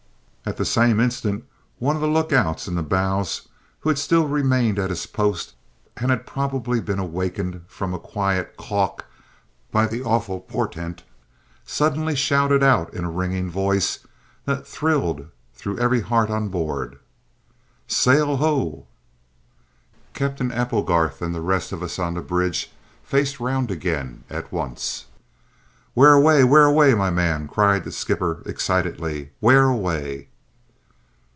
At the same instant one of the lookouts in the bows who had still remained at his post and had probably been awakened from a quiet "caulk" by the awful portent, suddenly shouted out in a ringing voice, that thrilled through every heart on board "Sail ho!" Captain Applegarth and the rest of us on the bridge faced round again at once. "Where away, where away, my man?" cried the skipper excitedly. "Where away?"